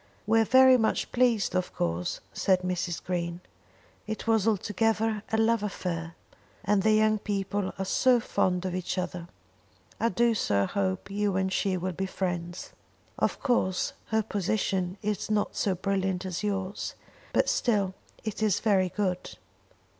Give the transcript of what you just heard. "We are very much pleased of course," said Mrs. Green. "It was altogether a love affair, and the young people are so fond of each other! I do so hope you and she will be friends. Of course her position is not so brilliant as yours, but still it is very good.